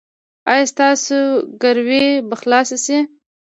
ایا ستاسو ګروي به خلاصه شي؟